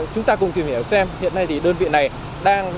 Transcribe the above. chúng ta cùng tìm hiểu xem hiện nay thì đơn vị này đang